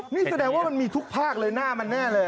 นี่แสดงว่ามันมีทุกภาคเลยหน้ามันแน่เลย